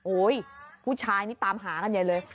อุ้ยผู้ชายนี่ตามหากันไงเลย